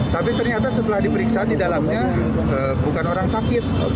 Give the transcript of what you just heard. tapi ternyata setelah diperiksa di dalamnya bukan orang sakit